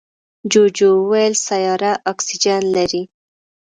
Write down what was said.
جوجو وویل سیاره اکسیجن لري.